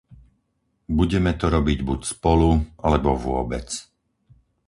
Budeme to robiť buď spolu, alebo vôbec!